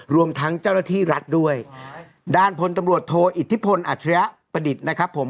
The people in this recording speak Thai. รวมทั้งเจ้าหน้าที่รัฐด้วยด้านพลตำรวจโทอิทธิพลอัจฉริยะประดิษฐ์นะครับผม